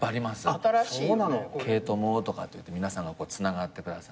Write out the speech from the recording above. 惠友とかっていって皆さんがつながってくださって。